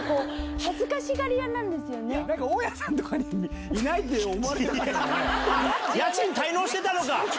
なんか大家さんとかにいない家賃滞納してたのか？